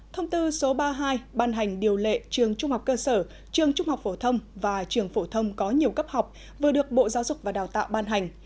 thông tư số ba mươi hai ban hành điều lệ trường trung học cơ sở trường trung học phổ thông và trường phổ thông có nhiều cấp học vừa được bộ giáo dục và đào tạo ban hành